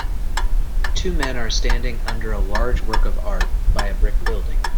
Two men are standing under a large work of art by a brick building.